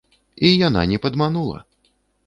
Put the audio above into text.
І яна не падманула!